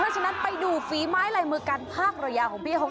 เพราะฉะนั้นไปดูฝีไม้ลายมือการพากเรือยาของพี่เขา